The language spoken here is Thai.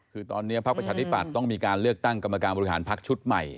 คือตอนนี้พักประชาธิปัตย์ต้องมีการเลือกตั้งกรรมการบริหารพักชุดใหม่